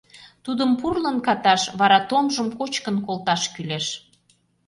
Тудым пурлын каташ, вара томжым кочкын колташ кӱлеш.